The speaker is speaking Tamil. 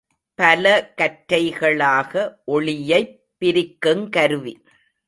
பல கற்றைகளாக ஒளியைப் பிரிக்குங் கருவி.